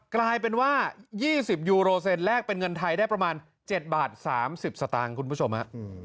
กลายเป็นว่า๒๐ยูโรเซนแลกเป็นเงินไทยได้ประมาณ๗บาท๓๐สตางค์คุณผู้ชมฮะ